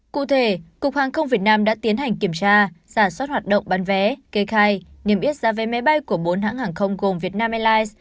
cụ thể cục hàng không việt nam đã tiến hành kiểm tra giả soát hoạt động bán vé kê khai niềm yết giá vé máy bay của bốn hãng hàng không gồm vietnam airlines